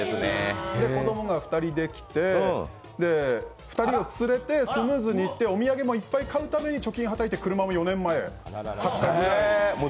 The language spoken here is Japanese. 子供が２人できて２人を連れてスムーズに行ってお土産もいっぱい買うために車も貯金はたいて買った。